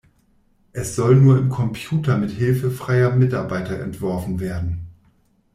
Es soll nur im Computer mit Hilfe freier Mitarbeiter entworfen werden.